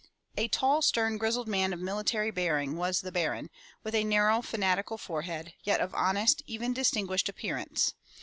A tall, stern, grizzled man of military bearing was the Baron, with a narrow, fanatical forehead, yet of honest, even distinguished appearance.